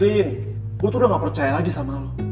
semenjak lo bocorin semua rahasia gue